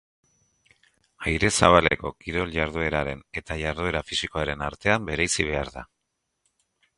Aire zabaleko kirol-jardueraren eta jarduera fisikoaren artean bereizi behar da.